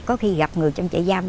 có khi gặp người trong chợ giam